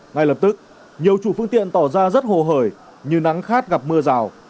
ngay lập tức nhiều chủ phương tiện tỏ ra rất hồ hởi như nắng khát gặp mưa rào